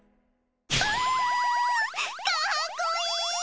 かっこいい！